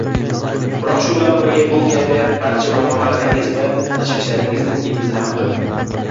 Biroq shu bilan birga bu kayfiyat barcha muammolaringiz va tashvishlaringizning ildizi hamdir.